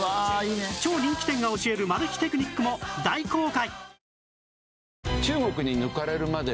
超人気店が教えるマル秘テクニックも大公開